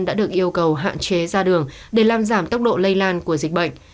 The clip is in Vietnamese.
đã được yêu cầu hạn chế ra đường để làm giảm tốc độ lây lan của dịch bệnh